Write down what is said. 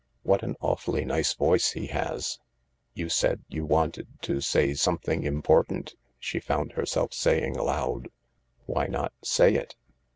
What an awfully nice voice he has 1 ")" You said you wanted to say something important," she found herself saying aloud. "Why not say it?"